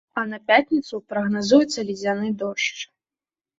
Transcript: А на пятніцу прагназуецца ледзяны дождж.